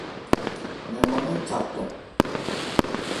Mɛn mân nɛ́n tha cɔn.